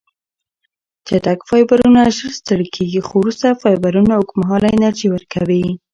چټک فایبرونه ژر ستړې کېږي، خو ورو فایبرونه اوږدمهاله انرژي ورکوي.